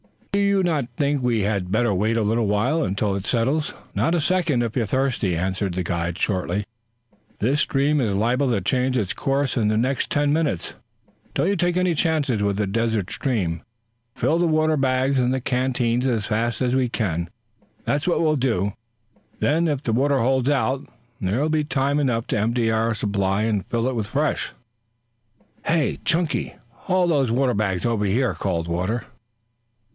"Do you not think we had better wait a little while until it settles?" "Not a second, if you're thirsty," answered the guide shortly. "This stream is liable to change its course in the next ten minutes. Don't you take any chances with a desert stream. Fill the water bags and the canteens as fast as we can that's what we'll do. Then, if the water holds out, there will be time enough to empty out our supply and fill with fresh." "Hey, Chunky! Haul those water bags over here," called Walter.